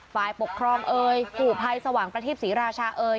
ฝ่ายปกครองเอ่ยกู่ภัยสว่างประทีปศรีราชาเอ่ย